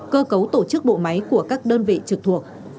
cơ cấu tổ chức bộ máy của các đơn vị trực thuộc